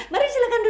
mari silahkan duduk